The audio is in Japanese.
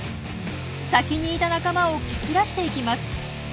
先にいた仲間を蹴散らしていきます。